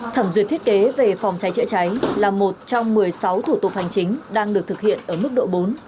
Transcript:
thẩm duyệt thiết kế về phòng cháy chữa cháy là một trong một mươi sáu thủ tục hành chính đang được thực hiện ở mức độ bốn